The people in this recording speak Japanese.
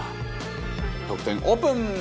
得点オープン！